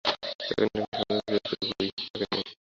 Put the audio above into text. তাকে নিয়ে একটা স্বপ্ন দেখেছি এটুকুই।